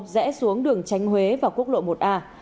rẽ xuống đường tránh huế và quốc lộ một a